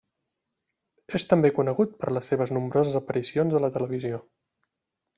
És també conegut per les seves nombroses aparicions a la televisió.